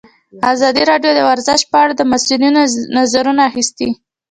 ازادي راډیو د ورزش په اړه د مسؤلینو نظرونه اخیستي.